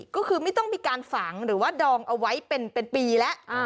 ก็คือไม่ต้องมีการฝังหรือว่าดองเอาไว้เป็นปีแล้ว